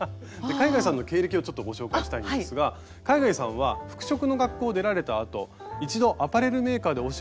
海外さんの経歴をちょっとご紹介したいんですが海外さんは服飾の学校を出られたあと一度アパレルメーカーでお仕事をされて独立されたんですね。